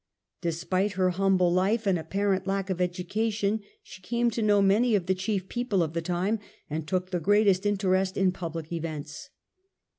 Despite her humble life and apparent lack of education, she came to know many of the chief people of the time and took the greatest interest in public events.